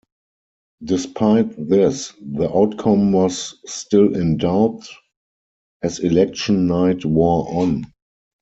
Despite this, the outcome was still in doubt as election night wore on.